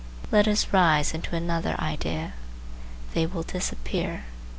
Let us rise into another idea: they will disappear.